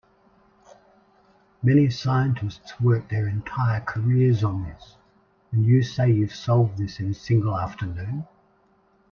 Many scientists work their entire careers on this, and you say you have solved this in a single afternoon?